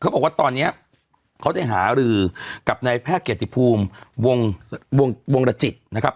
บอกว่าตอนนี้เขาได้หารือกับนายแพทย์เกียรติภูมิวงรจิตนะครับ